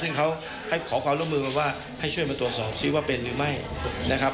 ซึ่งเขาให้ขอความร่วมมือกันว่าให้ช่วยมาตรวจสอบซิว่าเป็นหรือไม่นะครับ